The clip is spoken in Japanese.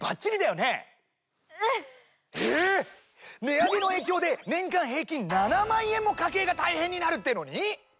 値上げの影響で年間平均７万円も家計が大変になるっていうのに？